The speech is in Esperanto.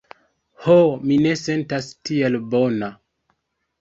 Ho, mi ne sentas tiel bona.